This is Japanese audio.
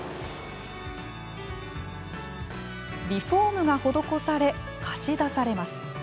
リフォームが施され貸し出されます。